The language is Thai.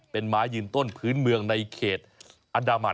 เป็นไม้ยืนต้นพื้นเมืองในเขตอันดามัน